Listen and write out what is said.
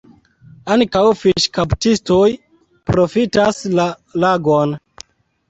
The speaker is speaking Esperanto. Ankaŭ fiŝkaptistoj profitas la lagon.